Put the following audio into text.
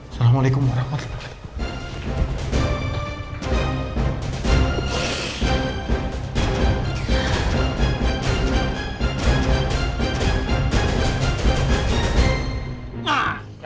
assalamualaikum warahmatullahi wabarakatuh